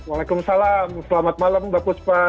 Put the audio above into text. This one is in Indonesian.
assalamualaikum selamat malam mbak kuspa